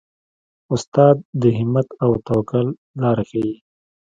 استاد د همت او توکل لاره ښيي.